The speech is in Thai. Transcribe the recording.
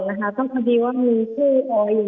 แอนตาซินเยลโรคกระเพาะอาหารท้องอืดจุกเสียดแสบร้อน